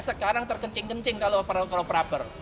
sekarang terkencing kencing kalau pra per